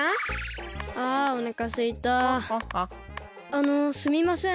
あのすみません。